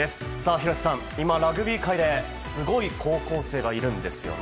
廣瀬さん、ラグビー界ですごい高校生がいるんですよね。